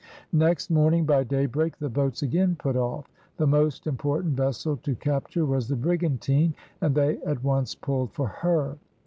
Next morning by daybreak the boats again put off; the most important vessel to capture was the brigantine, and they at once pulled for her.